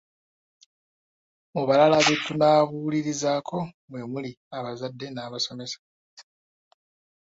Mu balala be tunaabuulirizaako mwe muli abazadd n’abasomesa.